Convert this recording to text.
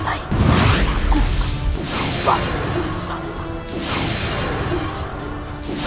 aku bukan salah